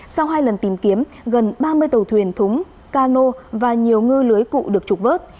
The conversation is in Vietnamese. sau hai lần tìm kiếm gần ba mươi tàu thuyền thúng cano và nhiều ngư lưới cụ được trục vớt